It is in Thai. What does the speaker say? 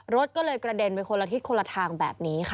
รถก็เลยกระเด็นไปคนละทิศคนละทางแบบนี้ค่ะ